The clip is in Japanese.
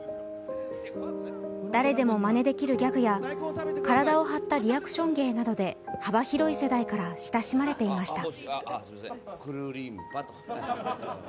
誰でもまねできるギャグや、体を張ったリアクション芸などで幅広い世代から親しまれていました。